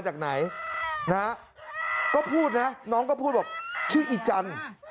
ช่วงทำพิธีน้องบ่อนหิวเลือดหิวเลือด